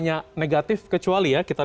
hanya negatif kecuali ya